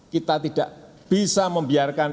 kita tidak bisa membiarkan regulasi itu